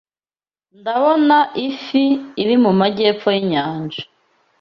Ndabona Ifi iri mu majyepfo yinyanja